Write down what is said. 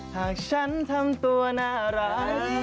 หากฉันทำตัวน่ารัก